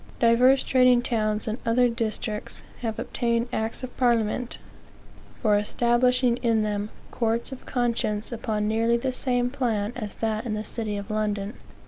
i Divers trading towns and other districts have obtained acts of Parliament, for establishing in them courts of conscience upon nearly the same plan as that in the city of London.